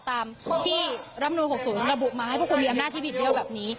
ตามที่รำนูหน์หกศูนย์กระบุมาให้พวกคุณมีอำนาจบิดเบี้ยวแบบนี้